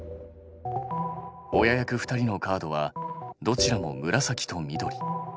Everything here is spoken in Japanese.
親役２人のカードはどちらも紫と緑。